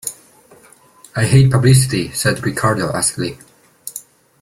"I hate publicity," said Ricardo acidly.